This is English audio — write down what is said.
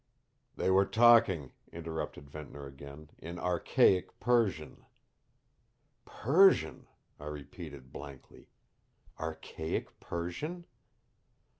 "They were talking," interrupted Ventnor again, "in archaic Persian." "Persian," I repeated blankly; "archaic Persian?"